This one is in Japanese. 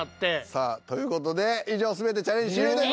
さあという事で以上全てチャレンジ終了しました。